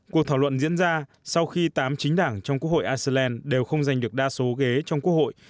cuộc thảo luận diễn ra sau khi tám chính đảng trong quốc hội iceland đều không giành được đa số ghế trong quốc hội